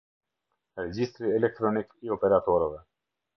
Regjistri elektronik i operatorëve.